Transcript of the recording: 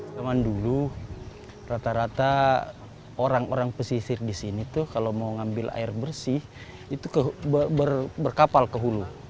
zaman dulu rata rata orang orang pesisir di sini tuh kalau mau ngambil air bersih itu berkapal ke hulu